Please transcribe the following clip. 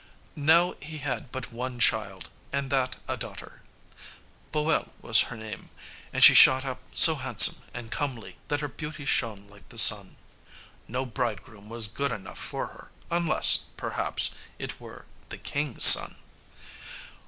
Now he had but one child, and that a daughter. Boel was her name, and she shot up so handsome and comely that her beauty shone like the sun. No bridegroom was good enough for her, unless, perhaps, it were the king's son.